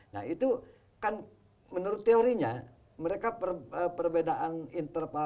nah itu kan menurut teorinya mereka perbedaan internal